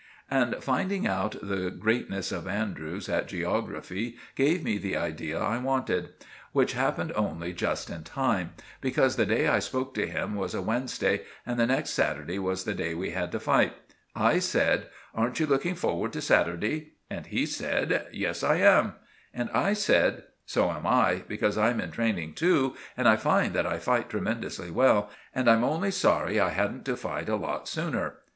And finding out the greatness of Andrews at geography gave me the idea I wanted, which happened only just in time; because the day I spoke to him was a Wednesday and the next Saturday was the day we had to fight. I said— "Aren't you looking forward to Saturday?" And he said— "Yes, I am." And I said— "So am I, because I'm in training too; and I find that I fight tremendously well, and I'm only sorry I hadn't to fight a lot sooner."